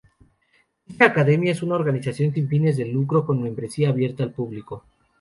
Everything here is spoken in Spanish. Dicha academia es una organización sin fines de lucro con membresía abierta al público.